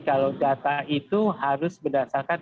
kalau data itu harus berdasarkan